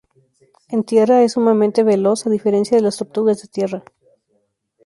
En tierra es sumamente veloz, a diferencia de las tortugas de tierra.